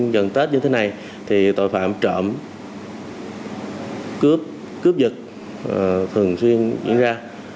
gần tết như thế này thì tội phạm trộm cướp cướp giật thường xuyên diễn ra